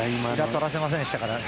とらせませんでしたからね。